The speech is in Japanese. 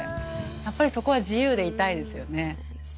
やっぱりそこは自由でいたいですよね。